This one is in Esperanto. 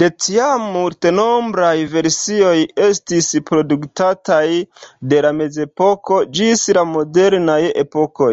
De tiam, multnombraj versioj estis produktataj, de la mezepoko ĝis la modernaj epokoj.